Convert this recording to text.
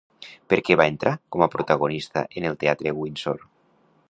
Per què va entrar com a protagonista en el Teatre Windsor?